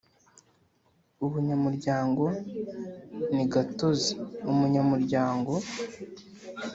Ubunyamuryango ni gatozi Umunyamuryango